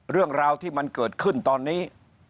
เรื่องราวที่มันเกิดขึ้นตอนนี้